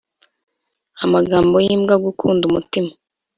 amagambo yimbwa gukunda umutima